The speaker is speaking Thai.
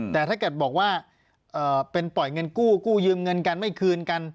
แต่ถ้าเกิดบอกว่าเป็นปล่อยเงินกู้กู้ยืมเงินกันไม่คืนกัน